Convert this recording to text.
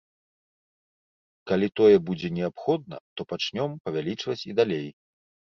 Калі тое будзе неабходна, то пачнём павялічваць і далей.